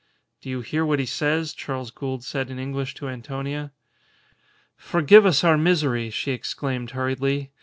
"Do you hear what he says?" Charles Gould said in English to Antonia. "Forgive us our misery!" she exclaimed, hurriedly.